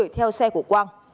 theo xe của quang